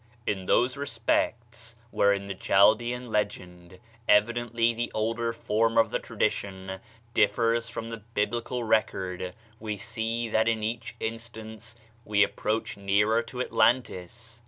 In those respects wherein the Chaldean legend, evidently the older form of the tradition, differs from the Biblical record, we see that in each instance we approach nearer to Atlantis.